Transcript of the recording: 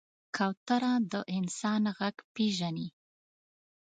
کوتره د انسان غږ پېژني.